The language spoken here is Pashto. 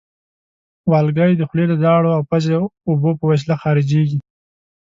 والګی د خولې د لاړو او پزې اوبو په وسیله خارجېږي.